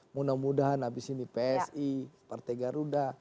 mudah mudahan habis ini psi partai garuda